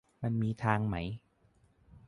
มันมีทางไหม